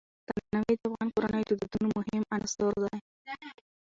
تنوع د افغان کورنیو د دودونو مهم عنصر دی.